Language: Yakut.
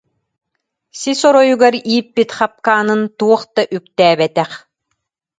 Сис оройугар ииппит хапкаанын туох да үктээбэтэх